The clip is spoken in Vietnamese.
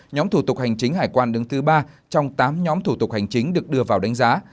nhóm thủ tục hành chính hải quan đứng thứ ba trong tám nhóm thủ tục hành chính được đưa vào đánh giá